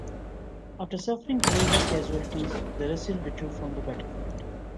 After suffering heavy casualties, the Russians withdrew from the battlefield.